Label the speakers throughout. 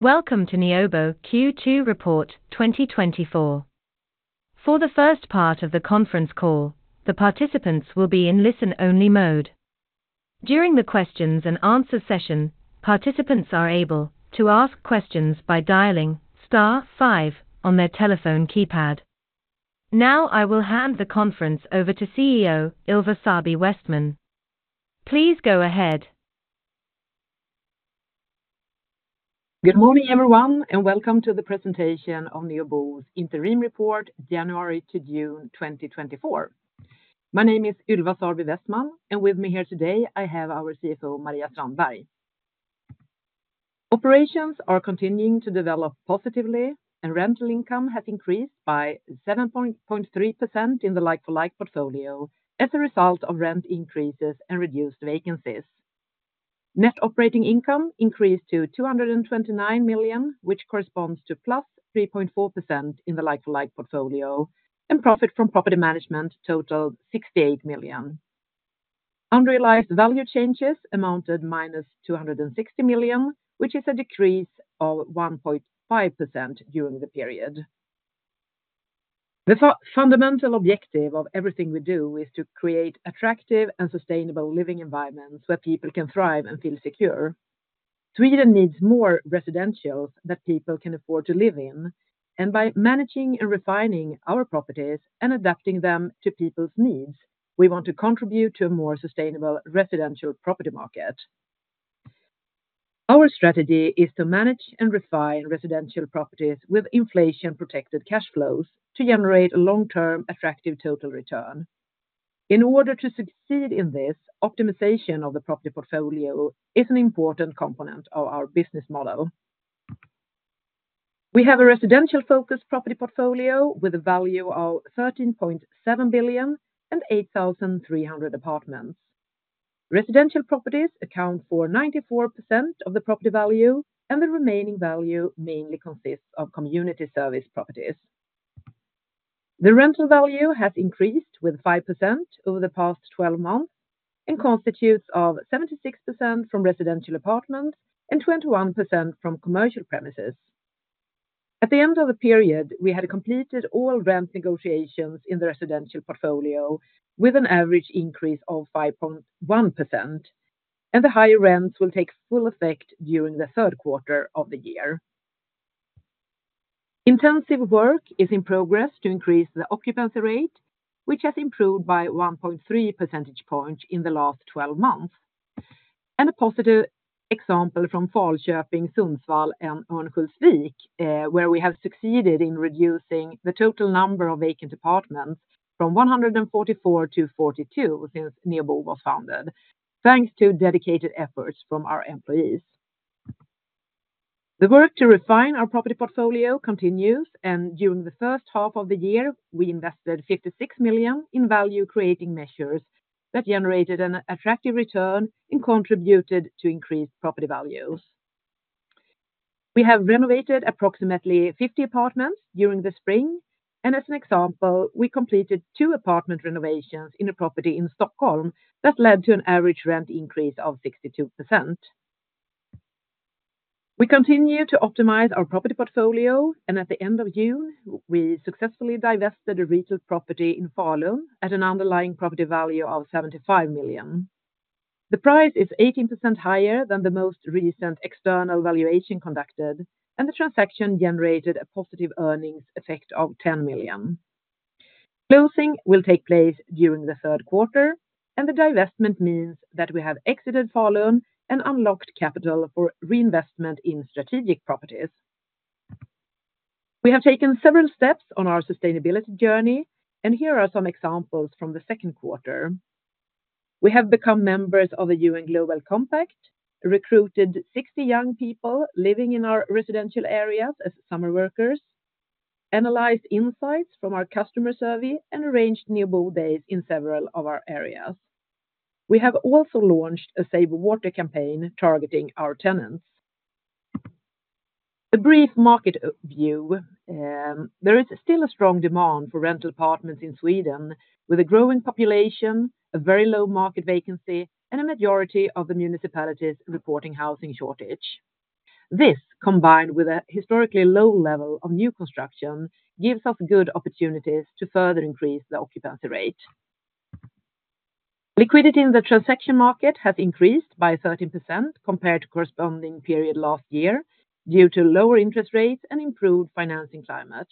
Speaker 1: Welcome to Neobo Q2 Report 2024. For the first part of the conference call, the participants will be in listen-only mode. During the Q&A session, participants are able to ask questions by dialing Star five on their telephone keypad. Now I will hand the conference over to CEO Ylva Sarby Westman. Please go ahead.
Speaker 2: Good morning, everyone, and welcome to the presentation of Neobo's Interim Report, January to June 2024. My name is Ylva Sarby Westman, and with me here today I have our CFO, Maria Strandberg. Operations are continuing to develop positively, and rental income has increased by 7.3% in the like-for-like portfolio as a result of rent increases and reduced vacancies. Net operating income increased to 229 million, which corresponds to +3.4% in the like-for-like portfolio, and profit from property management totaled 68 million. Unrealized value changes amounted to -260 million, which is a decrease of 1.5% during the period. The fundamental objective of everything we do is to create attractive and sustainable living environments where people can thrive and feel secure. Sweden needs more residentials that people can afford to live in, and by managing and refining our properties and adapting them to people's needs, we want to contribute to a more sustainable residential property market. Our strategy is to manage and refine residential properties with inflation-protected cash flows to generate a long-term attractive total return. In order to succeed in this, optimization of the property portfolio is an important component of our business model. We have a residential-focused property portfolio with a value of 13.7 billion and 8,300 apartments. Residential properties account for 94% of the property value, and the remaining value mainly consists of community service properties. The rental value has increased with 5% over the past 12 months and constitutes 76% from residential apartments and 21% from commercial premises. At the end of the period, we had completed all rent negotiations in the residential portfolio with an average increase of 5.1%, and the higher rents will take full effect during the Q3 of the year. Intensive work is in progress to increase the occupancy rate, which has improved by 1.3 percentage points in the last 12 months. A positive example from Falköping, Sundsvall, and Örnsköldsvik, where we have succeeded in reducing the total number of vacant apartments from 144 to 42 since Neobo was founded, thanks to dedicated efforts from our employees. The work to refine our property portfolio continues, and during the first half of the year, we invested 56 million in value-creating measures that generated an attractive return and contributed to increased property values. We have renovated approximately 50 apartments during the spring, and as an example, we completed two apartment renovations in a property in Stockholm that led to an average rent increase of 62%. We continue to optimize our property portfolio, and at the end of June, we successfully divested a retail property in Falun at an underlying property value of 75 million. The price is 18% higher than the most recent external valuation conducted, and the transaction generated a positive earnings effect of 10 million. Closing will take place during the Q3, and the divestment means that we have exited Falun and unlocked capital for reinvestment in strategic properties. We have taken several steps on our sustainability journey, and here are some examples from the Q2. We have become members of the UN Global Compact, recruited 60 young people living in our residential areas as summer workers, analyzed insights from our customer survey, and arranged Neobo Days in several of our areas. We have also launched a Save Water campaign targeting our tenants. A brief market view: there is still a strong demand for rental apartments in Sweden, with a growing population, a very low market vacancy, and a majority of the municipalities reporting housing shortage. This, combined with a historically low level of new construction, gives us good opportunities to further increase the occupancy rate. Liquidity in the transaction market has increased by 13% compared to the corresponding period last year due to lower interest rates and improved financing climate.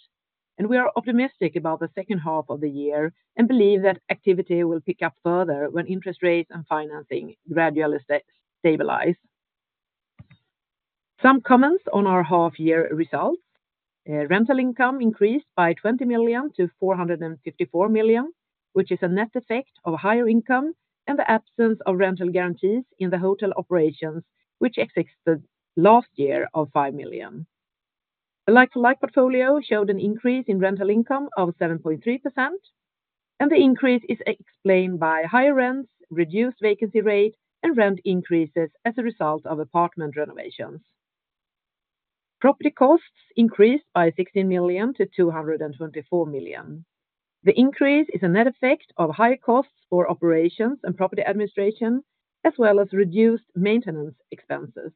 Speaker 2: We are optimistic about the second half of the year and believe that activity will pick up further when interest rates and financing gradually stabilize. Some comments on our half-year results: rental income increased by 20 million to 454 million, which is a net effect of higher income and the absence of rental guarantees in the hotel operations, which exceeded last year of 5 million. The like-for-like portfolio showed an increase in rental income of 7.3%, and the increase is explained by higher rents, reduced vacancy rate, and rent increases as a result of apartment renovations. Property costs increased by 16 million to 224 million. The increase is a net effect of higher costs for operations and property administration, as well as reduced maintenance expenses.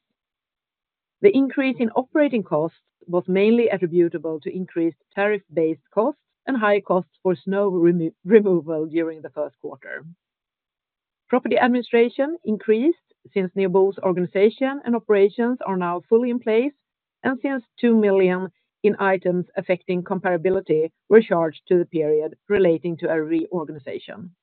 Speaker 2: The increase in operating costs was mainly attributable to increased tariff-based costs and higher costs for snow removal during the Q1. Property administration increased since Neobo's organization and operations are now fully in place, and since two million in items affecting comparability were charged to the period relating to a reorganization.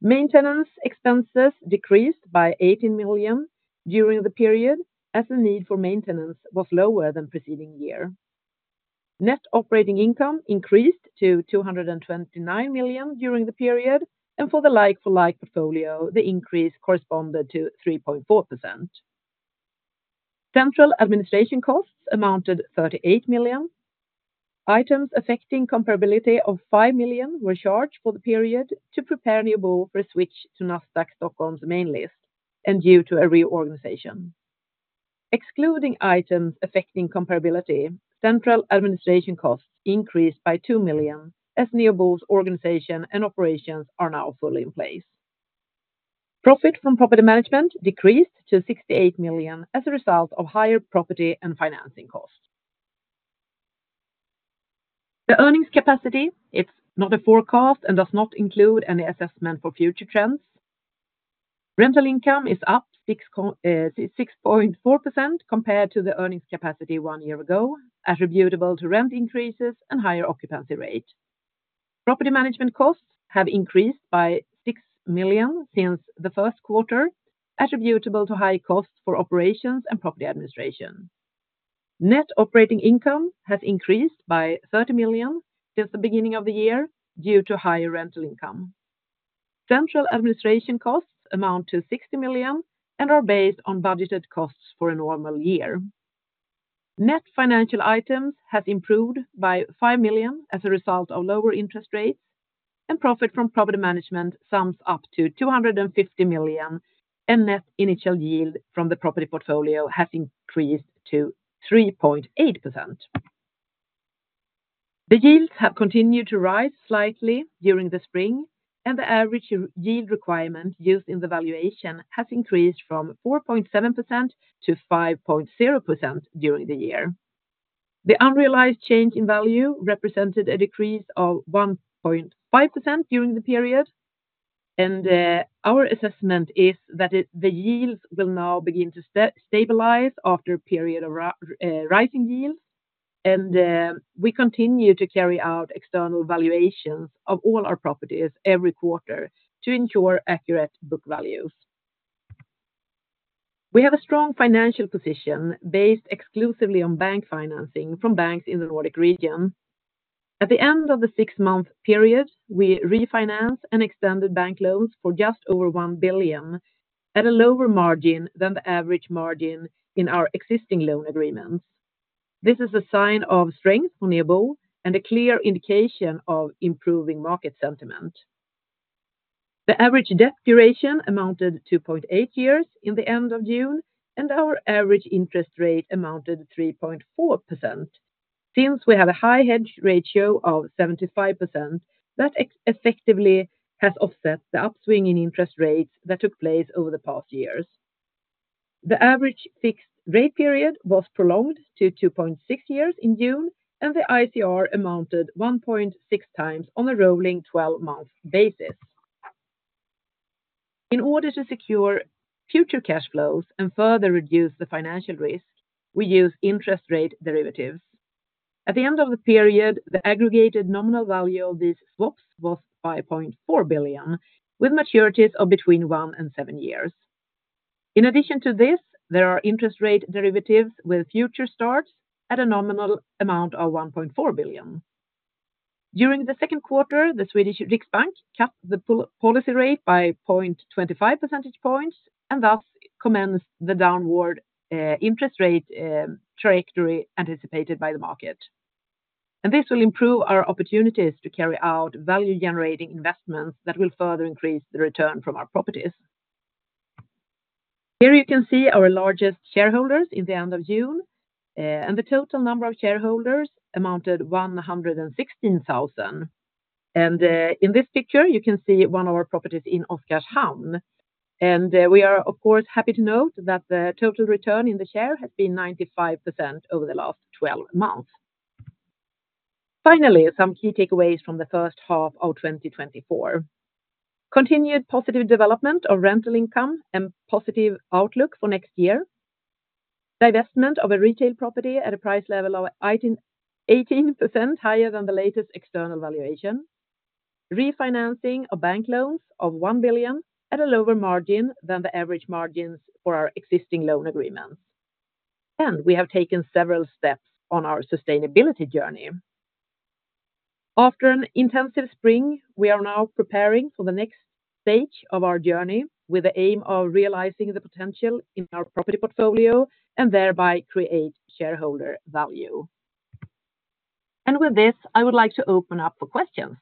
Speaker 2: Maintenance expenses decreased by 18 million during the period as the need for maintenance was lower than the preceding year. Net operating income increased to 229 million during the period, and for the like-for-like portfolio, the increase corresponded to 3.4%. Central administration costs amounted to 38 million. Items affecting comparability of 5 million were charged for the period to prepare Neobo for a switch to Nasdaq Stockholm's main list and due to a reorganization. Excluding items affecting comparability, central administration costs increased by two million as Neobo's organization and operations are now fully in place. Profit from property management decreased to 68 million as a result of higher property and financing costs. The earnings capacity is not a forecast and does not include any assessment for future trends. Rental income is up 6.4% compared to the earnings capacity one year ago, attributable to rent increases and higher occupancy rate. Property management costs have increased by 6 million since the Q1, attributable to high costs for operations and property administration. Net operating income has increased by 30 million since the beginning of the year due to higher rental income. Central administration costs amount to 60 million and are based on budgeted costs for a normal year. Net financial items have improved by 5 million as a result of lower interest rates, and profit from property management sums up to 250 million, and net initial yield from the property portfolio has increased to 3.8%. The yields have continued to rise slightly during the spring, and the average yield requirement used in the valuation has increased from 4.7% to 5.0% during the year. The unrealized change in value represented a decrease of 1.5% during the period, and our assessment is that the yields will now begin to stabilize after a period of rising yields, and we continue to carry out external valuations of all our properties every quarter to ensure accurate book values. We have a strong financial position based exclusively on bank financing from banks in the Nordic region. At the end of the six-month period, we refinanced and extended bank loans for just over one billion at a lower margin than the average margin in our existing loan agreements. This is a sign of strength for Neobo and a clear indication of improving market sentiment. The average debt duration amounted to 2.8 years in the end of June, and our average interest rate amounted to 3.4% since we have a high hedge ratio of 75% that effectively has offset the upswing in interest rates that took place over the past years. The average fixed rate period was prolonged to 2.6 years in June, and the ICR amounted to 1.6 times on a rolling 12-month basis. In order to secure future cash flows and further reduce the financial risk, we use interest rate derivatives. At the end of the period, the aggregated nominal value of these swaps was 5.4 billion, with maturities of between one and seven years. In addition to this, there are interest rate derivatives with future starts at a nominal amount of 1.4 billion. During the Q2, the Swedish Riksbank cut the policy rate by 0.25 percentage points and thus commenced the downward interest rate trajectory anticipated by the market. This will improve our opportunities to carry out value-generating investments that will further increase the return from our properties. Here you can see our largest shareholders in the end of June, and the total number of shareholders amounted to 116,000. In this picture, you can see one of our properties in Oskarshamn. We are, of course, happy to note that the total return in the share has been 95% over the last 12 months. Finally, some key takeaways from the first half of 2024: continued positive development of rental income and positive outlook for next year, divestment of a retail property at a price level of 18% higher than the latest external valuation, refinancing of bank loans of one billion at a lower margin than the average margins for our existing loan agreements. We have taken several steps on our sustainability journey. After an intensive spring, we are now preparing for the next stage of our journey with the aim of realizing the potential in our property portfolio and thereby create shareholder value. With this, I would like to open up for questions.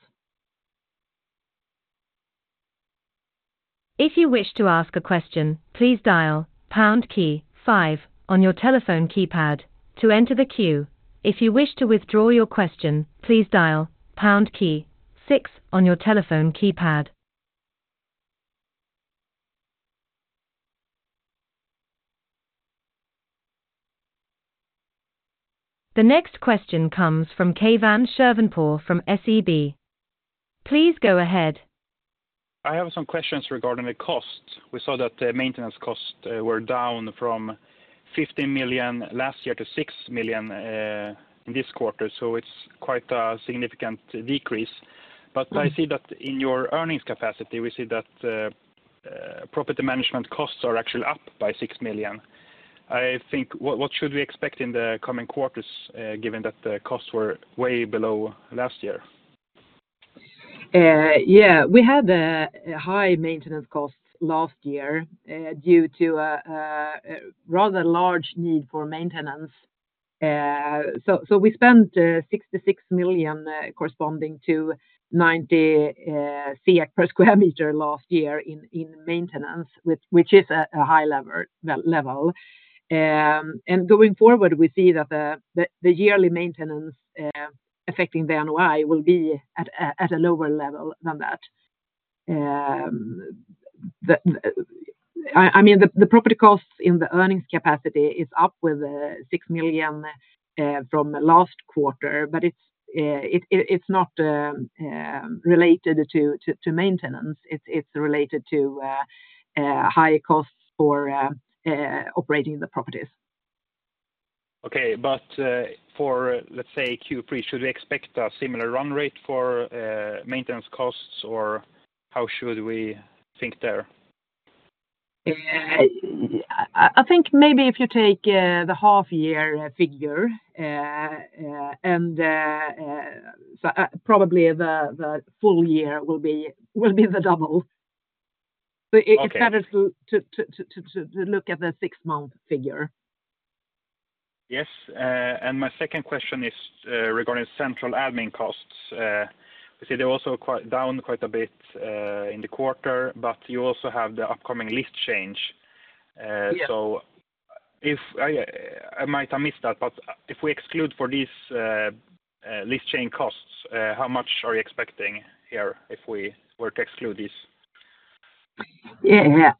Speaker 1: If you wish to ask a question, please dial Pound key five on your telephone keypad to enter the queue. If you wish to withdraw your question, please dial Pound key six on your telephone keypad. The next question comes from Kavajan Shervanpur from SEB. Please go ahead.
Speaker 3: I have some questions regarding the costs. We saw that the maintenance costs were down from 15 million last year to six million in this quarter, so it's quite a significant decrease. But I see that in your earnings capacity, we see that property management costs are actually up by six million. I think, what should we expect in the coming quarters given that the costs were way below last year?
Speaker 4: Yeah, we had high maintenance costs last year due to a rather large need for maintenance. So we spent 66 million corresponding to 90 per sq m last year in maintenance, which is a high level. And going forward, we see that the yearly maintenance affecting the NOI will be at a lower level than that. I mean, the property costs in the earnings capacity is up with six million from last quarter, but it's not related to maintenance. It's related to high costs for operating the properties.
Speaker 3: Okay, but for, let's say, Q3, should we expect a similar run rate for maintenance costs, or how should we think there?
Speaker 2: I think maybe if you take the half-year figure, and probably the full year will be the double. So it's better to look at the six-month figure.
Speaker 3: Yes, and my second question is regarding central admin costs. I see they're also down quite a bit in the quarter, but you also have the upcoming list change. So I might have missed that, but if we exclude for these list change costs, how much are you expecting here if we were to exclude these?
Speaker 4: Yeah, yeah.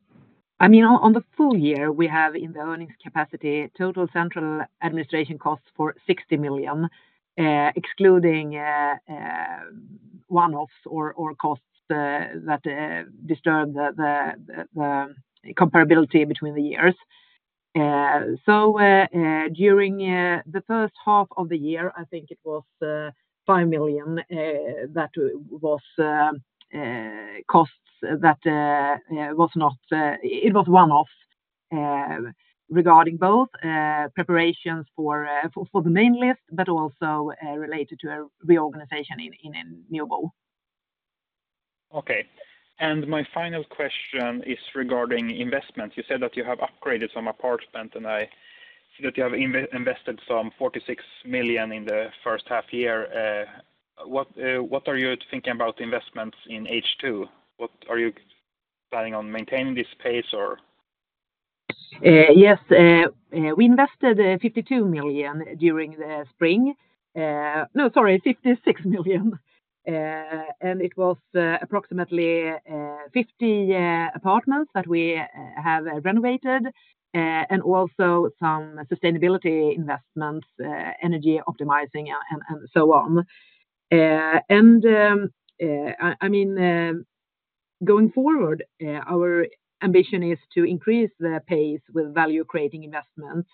Speaker 4: I mean, on the full year, we have in the earnings capacity total central administration costs for 60 million, excluding one-offs or costs that disturb the comparability between the years. So during the first half of the year, I think it was five million that was costs that was not, it was one-off regarding both preparations for the main list, but also related to a reorganization in Neobo.
Speaker 3: Okay, and my final question is regarding investments. You said that you have upgraded some apartments, and I see that you have invested some 46 million in the first half year. What are you thinking about investments in H2? What are you planning on maintaining this pace, or?
Speaker 2: Yes, we invested 52 million during the spring. No, sorry, 56 million. And it was approximately 50 apartments that we have renovated and also some sustainability investments, energy optimizing, and so on. I mean, going forward, our ambition is to increase the pace with value-creating investments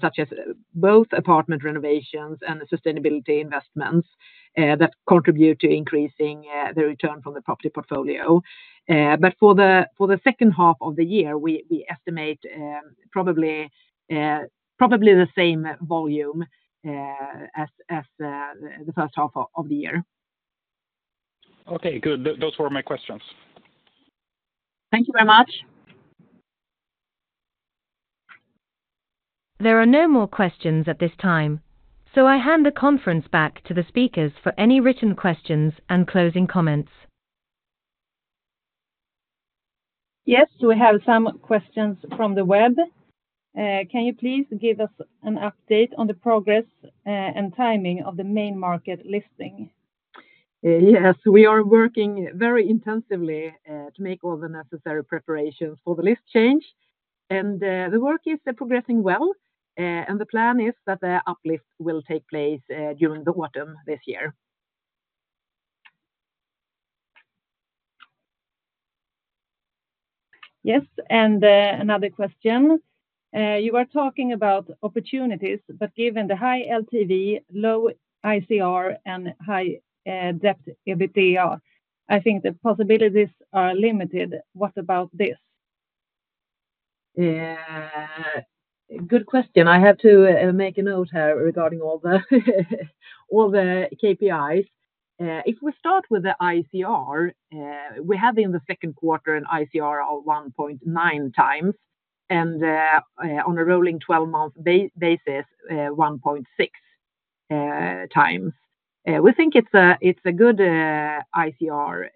Speaker 2: such as both apartment renovations and sustainability investments that contribute to increasing the return from the property portfolio. But for the second half of the year, we estimate probably the same volume as the first half of the year.
Speaker 3: Okay, good. Those were my questions. Thank you very much.
Speaker 1: There are no more questions at this time, so I hand the conference back to the speakers for any written questions and closing comments.
Speaker 5: Yes, we have some questions from the web. Can you please give us an update on the progress and timing of the main market listing?
Speaker 2: Yes, we are working very intensively to make all the necessary preparations for the list change, and the work is progressing well, and the plan is that the listing will take place during the autumn this year.
Speaker 5: Yes, and another question. You are talking about opportunities, but given the high LTV, low ICR, and high debt EBITDA, I think the possibilities are limited. What about this?
Speaker 2: Good question. I have to make a note here regarding all the KPIs. If we start with the ICR, we had in the Q2 an ICR of 1.9x and on a rolling 12-month basis, 1.6x. We think it's a good ICR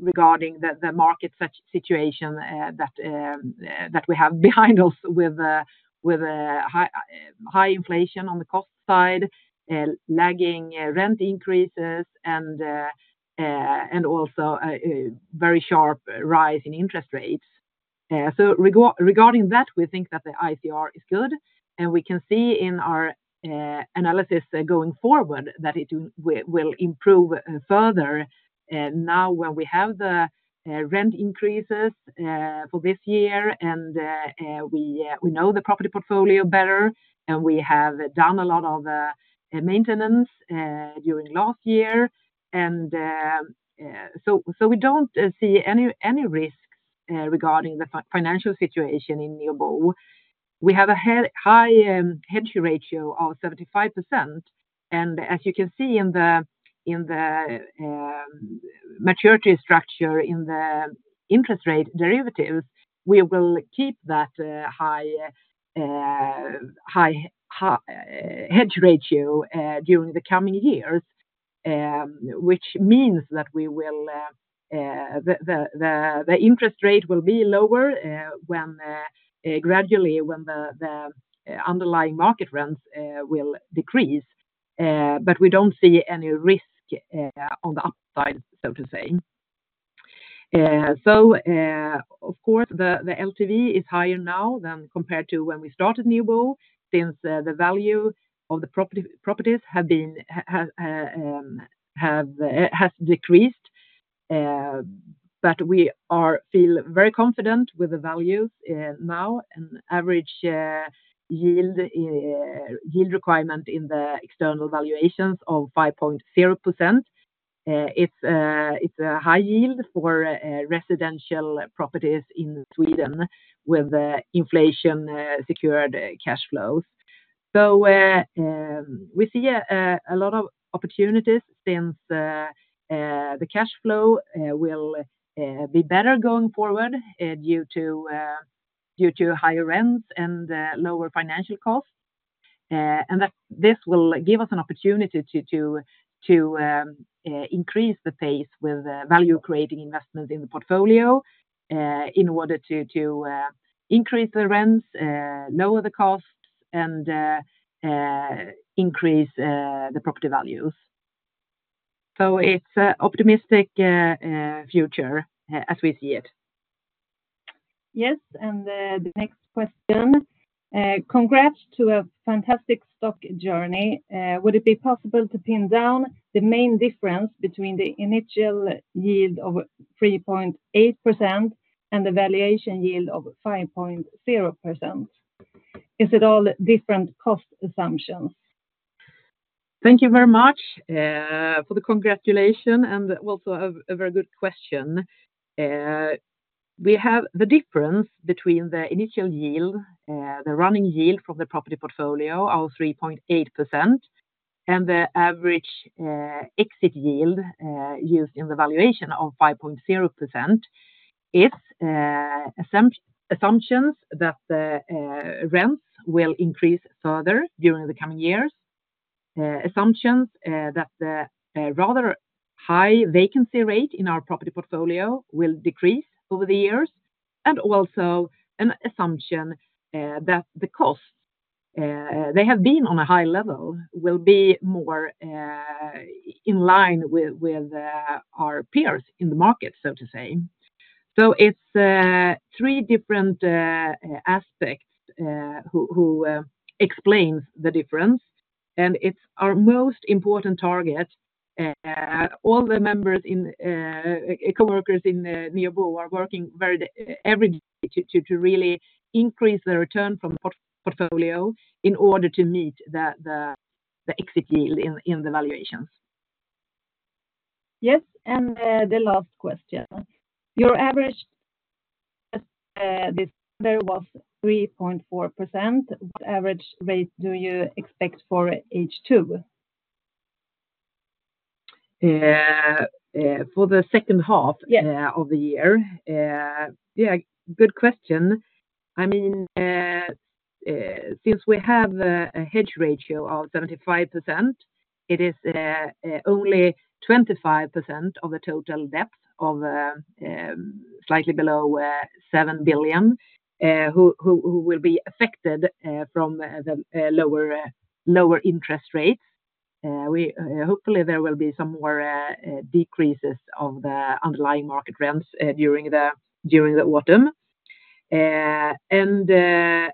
Speaker 2: regarding the market situation that we have behind us with high inflation on the cost side, lagging rent increases, and also a very sharp rise in interest rates. So regarding that, we think that the ICR is good, and we can see in our analysis going forward that it will improve further now when we have the rent increases for this year, and we know the property portfolio better, and we have done a lot of maintenance during last year. And so we don't see any risks regarding the financial situation in Neobo. We have a high hedge ratio of 75%, and as you can see in the maturity structure in the interest rate derivatives, we will keep that high hedge ratio during the coming years, which means that the interest rate will be lower gradually when the underlying market rents will decrease, but we don't see any risk on the upside, so to say. So of course, the LTV is higher now than compared to when we started Neobo since the value of the properties has decreased, but we feel very confident with the values now. An average yield requirement in the external valuations of 5.0%. It's a high yield for residential properties in Sweden with inflation-secured cash flows. So we see a lot of opportunities since the cash flow will be better going forward due to higher rents and lower financial costs. And this will give us an opportunity to increase the pace with value-creating investments in the portfolio in order to increase the rents, lower the costs, and increase the property values. So it's an optimistic future as we see it.
Speaker 5: Yes, and the next question. Congrats to a fantastic stock journey. Would it be possible to pin down the main difference between the initial yield of 3.8% and the valuation yield of 5.0%? Is it all different cost assumptions?
Speaker 2: Thank you very much for the congratulations and also a very good question. We have the difference between the initial yield, the running yield from the property portfolio of 3.8%, and the average exit yield used in the valuation of 5.0%. It's assumptions that the rents will increase further during the coming years. Assumptions that the rather high vacancy rate in our property portfolio will decrease over the years. And also an assumption that the costs, they have been on a high level, will be more in line with our peers in the market, so to say. So it's three different aspects that explain the difference, and it's our most important target. All the members and coworkers in Neobo are working every day to really increase the return from the portfolio in order to meet the exit yield in the valuations.
Speaker 5: Yes, and the last question. Your average this year was 3.4%. What average rate do you expect for H2?
Speaker 2: For the second half of the year, yeah, good question. I mean, since we have a hedge ratio of 75%, it is only 25% of the total debt of slightly below 7 billion who will be affected from the lower interest rates. Hopefully, there will be some more decreases of the underlying market rents during the autumn. And the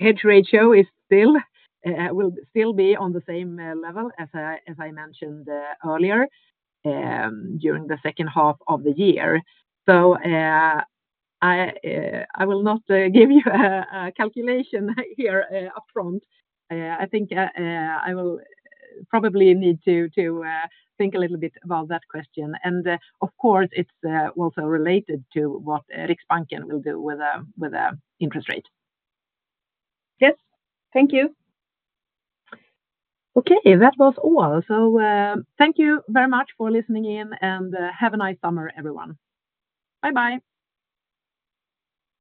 Speaker 2: hedge ratio will still be on the same level as I mentioned earlier during the second half of the year. So I will not give you a calculation here upfront. I think I will probably need to think a little bit about that question. And of course, it's also related to what Riksbanken will do with the interest rate.
Speaker 5: Yes, thank you. Okay, that was all. So thank you very much for listening in, and have a nice summer, everyone. Bye-bye.